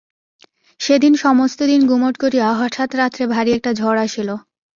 সেদিন সমস্ত দিন গুমট করিয়া হঠাৎ রাত্রে ভারী একটা ঝড় আসিল।